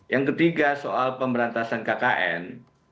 yang ketiga soal pemberantasan kkn